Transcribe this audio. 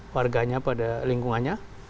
warganya pada lingkungannya